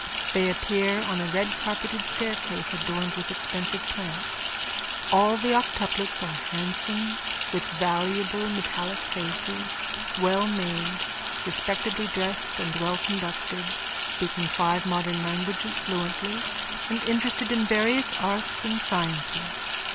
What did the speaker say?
They appear on a redcarpeted staircase adorned with expensive plants. All the octuplets are handsome, with valuable metallic faces, wellmade, respectably dressed and wellconducted, speaking five modern languages fluently and interested in various arts and sciences.